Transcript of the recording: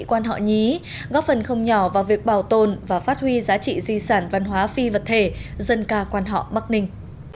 quan họ nhí góp phần không nhỏ vào việc bảo tồn và phát huy giá trị di sản văn hóa phi vật thể dân ca quan họ bắc ninh